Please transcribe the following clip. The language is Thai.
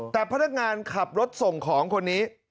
แต่พนักงานขับรถส่งของคนนี้